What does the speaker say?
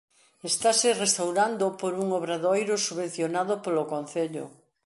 Estase restaurando por un obradoiro subvencionado polo concello.